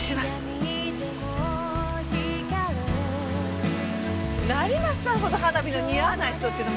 成増さんほど花火の似合わない人っていうのも珍しいわよね。